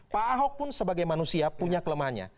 pak ahok pun sebagai manusia punya kelemahannya